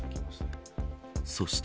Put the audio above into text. そして。